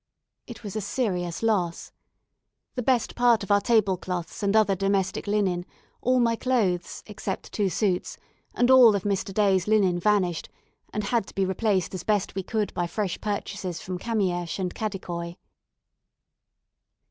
It was a serious loss. The best part of our table cloths and other domestic linen, all my clothes, except two suits, and all of Mr. Day's linen vanished, and had to be replaced as best we could by fresh purchases from Kamiesch and Kadikoi.